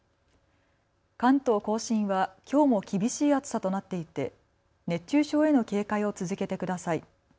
関東甲信はきょうも厳しい暑さとなっていて熱中症への警戒を続けてください。